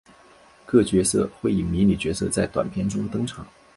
各角色会以迷你角色在短篇中登场。